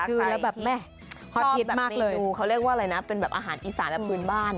ชอบแบบเมตูเขาเรียกว่าอะไรนะเป็นอาหารอีสานแบบพื้นบ้าน